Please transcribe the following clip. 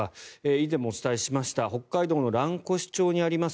以前もお伝えしました北海道の蘭越町にあります